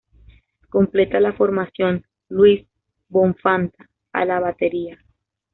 Completa la formación "Luis "von Fanta"" a la batería.